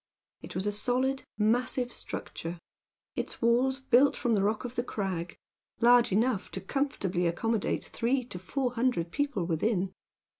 It was a solid, massive structure; its walls built from the rock of the crag; large enough to comfortably accommodate three to four hundred people within.